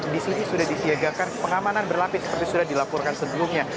di sini sudah disiagakan pengamanan berlapis seperti sudah dilaporkan sebelumnya